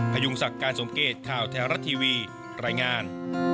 พยุงสักการสมเกตข่าวทหารัททีวีรายงาน